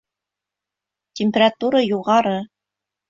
Температура юғары.